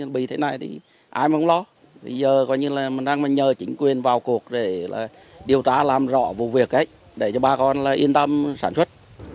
bây giờ mình đang nhờ chính quyền vào cuộc để điều tra làm rõ vụ việc đấy để cho bà con yên tâm sản xuất